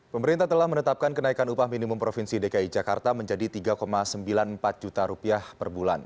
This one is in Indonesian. pemerintah telah menetapkan kenaikan upah minimum provinsi dki jakarta menjadi rp tiga sembilan puluh empat juta rupiah per bulan